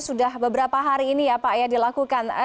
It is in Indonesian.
sudah beberapa hari ini ya pak ya dilakukan